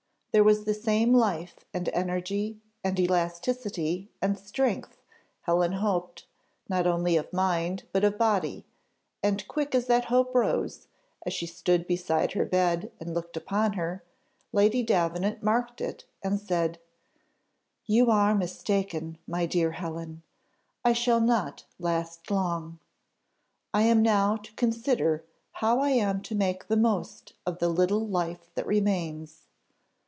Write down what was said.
There was the same life, and energy, and elasticity, and strength, Helen hoped, not only of mind, but of body, and quick as that hope rose, as she stood beside her bed, and looked upon her, Lady Davenant marked it, and said, "You are mistaken, my dear Helen, I shall not last long; I am now to consider how I am to make the most of the little life that remains.